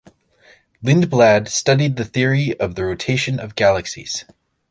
Lindblad studied the theory of the rotation of galaxies.